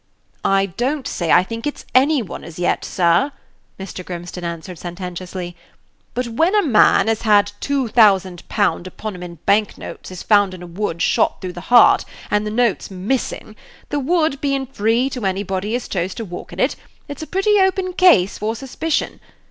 "I don't say I think it's any one as yet, sir," Mr. Grimstone answered, sententiously; "but when a man, as had two thousand pound upon him in bank notes, is found in a wood shot through the heart, and the notes missin' the wood bein' free to anybody as chose to walk in it it's a pretty open case for suspicion.